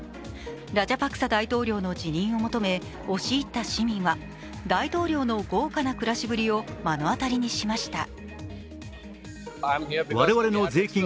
ラジャパクサ大統領の辞任を求め押し入った市民は大統領の豪華な暮らしぶりを目の当たりにしました。